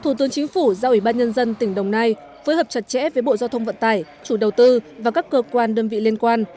thủ tướng chính phủ giao ủy ban nhân dân tỉnh đồng nai phối hợp chặt chẽ với bộ giao thông vận tải chủ đầu tư và các cơ quan đơn vị liên quan